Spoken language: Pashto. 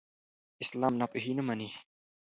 اسلام ناپوهي نه مني.